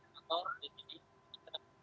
ya saya di atas ini